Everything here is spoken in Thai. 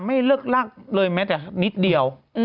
ไม่เลิกลักษณ์เลยไหมแต่นิดเดียว